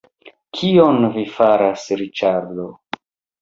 Kion vi faras Riĉardo!